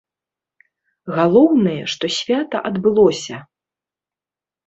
Галоўнае, што свята адбылося!